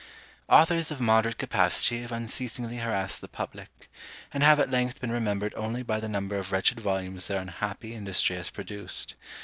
Authors of moderate capacity have unceasingly harassed the public; and have at length been remembered only by the number of wretched volumes their unhappy industry has produced.